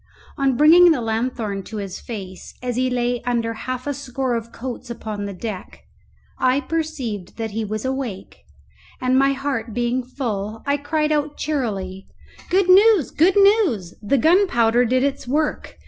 On bringing the lanthorn to his face as he lay under half a score of coats upon the deck, I perceived that he was awake, and, my heart being full, I cried out cheerily, "Good news! good news! the gunpowder did its work!